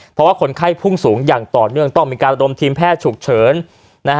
เพราะว่าคนไข้พุ่งสูงอย่างต่อเนื่องต้องมีการระดมทีมแพทย์ฉุกเฉินนะฮะ